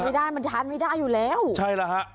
ไม่ได้มันทานไม่ได้อยู่แล้วใช่แล้วฮะ